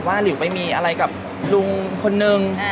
หลิวไปมีอะไรกับลุงคนนึง